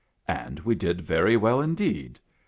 And we did very well indeed.